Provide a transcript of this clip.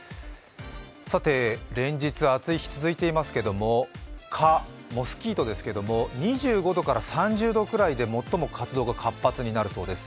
さて、連日暑い日が続いていますけれども蚊、モスキートですけれども２５度から３０度くらいで最も活動が活発になるそうです。